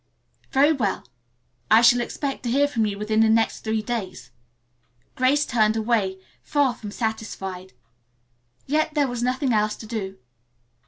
"Very well. I shall expect to hear from you within the next three days." Grace turned away, far from satisfied. Yet there was nothing else to do.